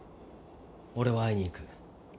俺は会いに行く。